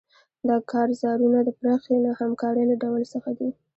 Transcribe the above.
دا کارزارونه د پراخې نه همکارۍ له ډول څخه دي.